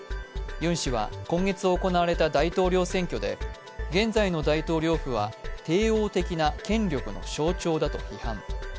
ユン氏は、今月行われた大統領選挙で現在の大統領府は帝王的な権力の象徴だと批判。